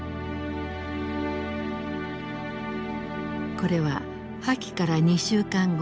これは破棄から２週間後